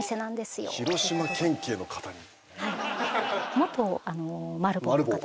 元マル暴の方で。